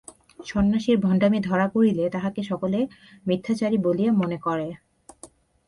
সন্ন্যাসীর ভণ্ডামি ধরা পড়িলে তাহাকে সকলে মিথ্যাচারী বলিয়া মনে করে।